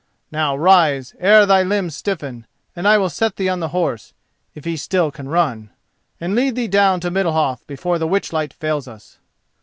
Now rise, ere thy limbs stiffen, and I will set thee on the horse, if he still can run, and lead thee down to Middalhof before the witchlights fail us."